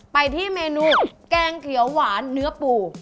ไปที่เมนูแกงเขียวหวานเนื้อปู